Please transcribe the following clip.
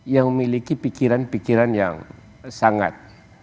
yang memiliki pikiran pikiran yang sangat